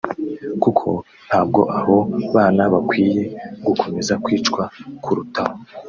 kuko ntabwo abo bana bakwiriye gukomeza kwicwa kurutaho